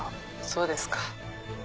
そうですか。